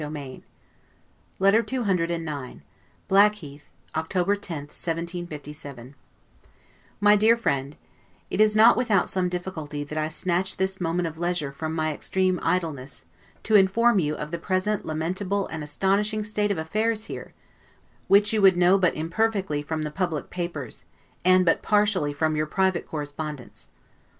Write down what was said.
Good night, and God bless you! LETTER CCIX BLACKHEATH, October 10, 1757 MY DEAR FRIEND: It is not without some difficulty that I snatch this moment of leisure from my extreme idleness, to inform you of the present lamentable and astonishing state of affairs here, which you would know but imperfectly from the public papers, and but partially from your private correspondents.